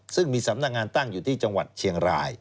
ซึ่งมีสำนักงานตั้งอยู่ที่จังหวัดเชียงราย